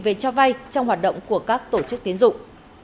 về cho vay trong hoạt động của các tổ chức tiến dụng